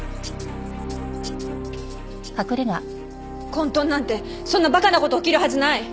混沌なんてそんな馬鹿な事起きるはずない！